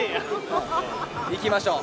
いきましょう。